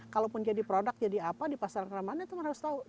kalaupun jadi produk jadi apa di pasar kemana mana itu harus tahu